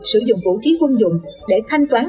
sử dụng vũ khí quân dụng để thanh toán